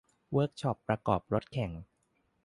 เวิร์คช็อปประกอบรถแข่ง